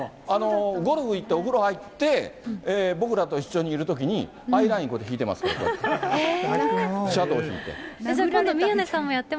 ゴルフ行って、お風呂入って、僕らと一緒にいるときに、アイライン、こう引いてますから、こうやって。